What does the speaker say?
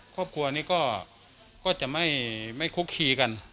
ครอบครัวนี้ก็จะไม่คุกคีกัน